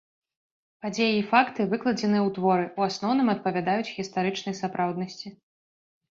Падзеі і факты, выкладзеныя у творы, у асноўным, адпавядаюць гістарычнай сапраўднасці.